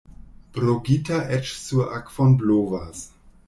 Brogita eĉ sur akvon blovas.